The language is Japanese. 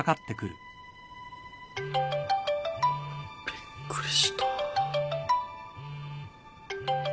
びっくりした。